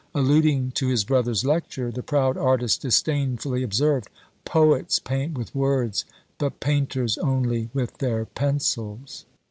Alluding to his brother's lecture, the proud artist disdainfully observed, "Poets paint with words, but painters only with their pencils."